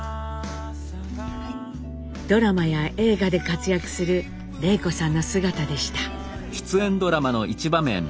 ドラマや映画で活躍する礼子さんの姿でした。